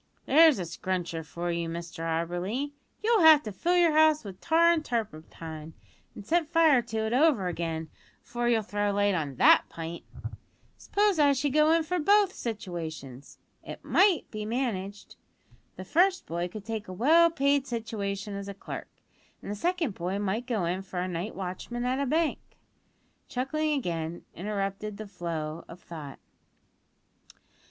There's a scruncher for you, Mr Auberly. You'll have to fill your house with tar an' turpentine an' set fire to it over again 'afore you'll throw light on that pint. S'pose I should go in for both situations! It might be managed. The first boy could take a well paid situation as a clerk, an the second boy might go in for night watchman at a bank." (Chuckling again interrupted the flow of thought.)